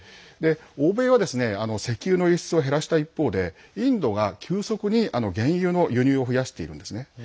欧米は石油の輸出を減らした一方でインドが急速に原油の輸入を増やしているんですね。